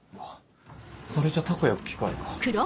それじゃたこ焼く機械か。